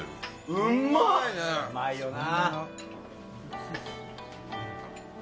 うまいよな。